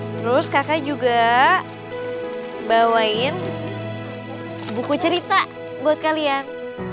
terus kakak juga bawain buku cerita buat kalian